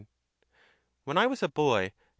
When I was a boy, Cn.